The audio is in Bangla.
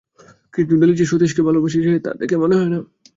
কিন্তু, নেলি যে সতীশকে ভালোবাসে সে তো দেখে মনে হয় না।